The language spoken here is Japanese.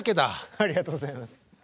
ありがとうございます。